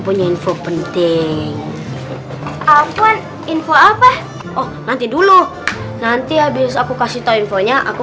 punya info penting apa info apa oh nanti dulu nanti habis aku kasih tahu infonya aku